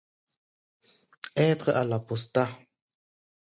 Être à l'apostat!